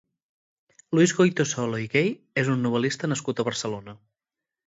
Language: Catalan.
Luis Goytisolo i Gay és un novel·lista nascut a Barcelona.